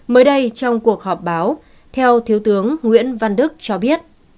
mới đây trong cuộc họp báo theo thiếu tướng nguyễn văn đức cho biết